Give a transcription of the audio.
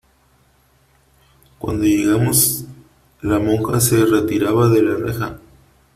cuando llegamos la monja se retiraba de la reja :